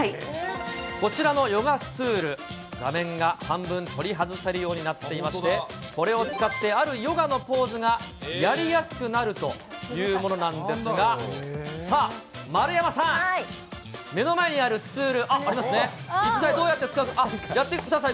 こちらのヨガスツール、座面が半分、取り外せるようになっていまして、これを使って、あるヨガのポーズがやりやすくなるというものなんですが、さあ、丸山さん、目の前にあるスツール、ありますね、一体どうやって使うのか、やってください。